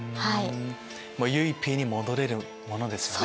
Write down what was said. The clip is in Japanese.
ゆいＰに戻れるものですよね。